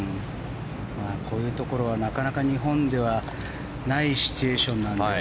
こういうところはなかなか日本ではないシチュエーションなので。